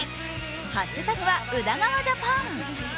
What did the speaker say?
ハッシュタグは「宇田川ジャパン」。